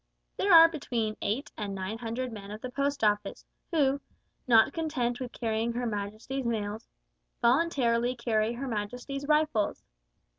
There are between eight and nine hundred men of the Post Office, who, not content with carrying Her Majesty's mails, voluntarily carry Her Majesty's rifles.